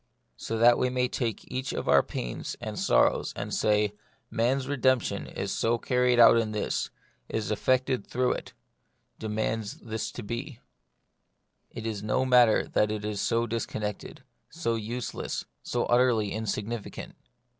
So that we may take up each one of our pains and sorrows, and say, "Man's redemption is carried out in this, is effected through it, de 6o The Mystery of Pain. mands this to be." It is no matter that it is so disconnected, so useless, so utterly insigni ficant.